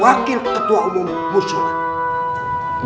wakil ketua umum musyrah